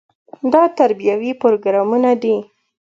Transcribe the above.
دا تربیوي پروګرامونه دي.